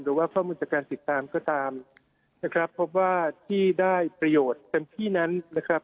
หรือว่าข้อมูลจากการติดตามก็ตามนะครับพบว่าที่ได้ประโยชน์เต็มที่นั้นนะครับ